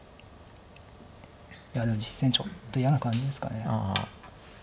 いやでも実戦ちょっと嫌な感じですかね。